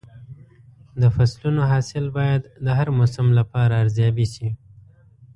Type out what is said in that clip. د فصلونو حاصل باید د هر موسم لپاره ارزیابي شي.